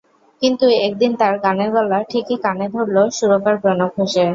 কিন্তু একদিন তাঁর গানের গলা ঠিকই কানে ধরল সুরকার প্রণব ঘোষের।